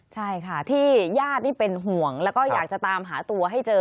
ใช่ค่ะที่ญาตินี่เป็นห่วงแล้วก็อยากจะตามหาตัวให้เจอ